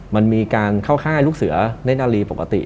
มันมีการเข้าค่ายลูกเสือเล่นนาลีปกติ